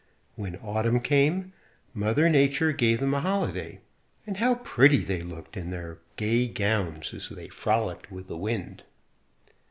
When Autumn came, Mother Nature gave them a holiday, and how pretty they looked in their gay gowns as they frolicked with the wind!